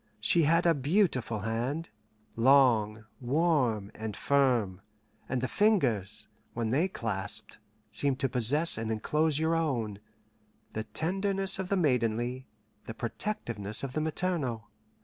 She had a beautiful hand, long, warm, and firm, and the fingers, when they clasped, seemed to possess and inclose your own the tenderness of the maidenly, the protectiveness of the maternal.